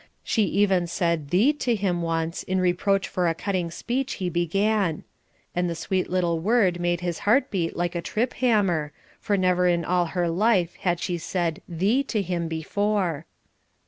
She even said "Thee" to him once in reproach for a cutting speech he began. And the sweet little word made his heart beat like a trip hammer, for never in all her life had she said "thee" to him before.